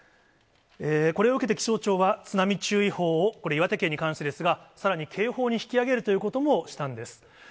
これを受けて気象庁は津波注意報を、これ、岩手県に関してですが、さらに警報に引き上げるということもしたんです。